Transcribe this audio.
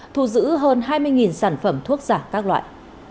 thu giữ hơn hai mươi sản phẩm thuốc giả các loại